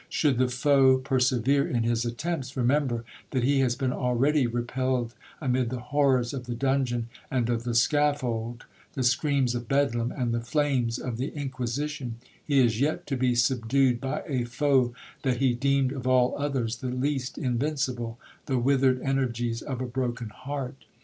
Should the foe persevere in his attempts, remember that he has been already repelled amid the horrors of the dungeon and of the scaffold, the screams of Bedlam and the flames of the Inquisition—he is yet to be subdued by a foe that he deemed of all others the least invincible—the withered energies of a broken heart.